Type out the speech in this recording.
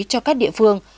cho các địa phương